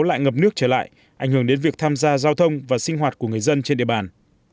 lại ngập nước trở lại ảnh hưởng đến việc tham gia giao thông và sinh hoạt của người dân trên địa bàn